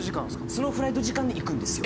そのフライト時間で行くんですよ。